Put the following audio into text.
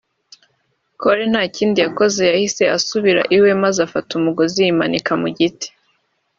Kore nta kindi yakoze yahise asubira iwe maze afata umugozi y’imanika mu giti